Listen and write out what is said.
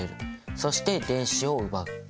そして電子を奪う。